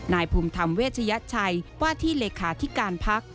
นายภูมิธรรมเวชยชัยว่าที่เลขาธิการพัก